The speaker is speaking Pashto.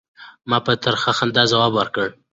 ما په ترخه خندا ځواب ورکړ.